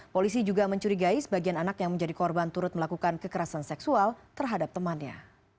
polisi juga mencurigai sebagian anak yang menjadi korban turut melakukan kekerasan seksual terhadap temannya